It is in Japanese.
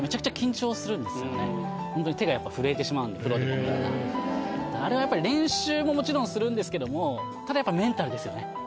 特にホントに手がやっぱ震えてしまうプロでもみんなあれはやっぱり練習ももちろんするんですけどもただやっぱりメンタルですよね